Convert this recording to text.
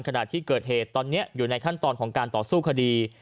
ขณะที่เกิดเหตุตอนนี้อยู่ในขั้นตอนของการต่อสู้คดี